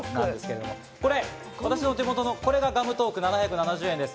私の手元のこれがガムトーク、７７０円です。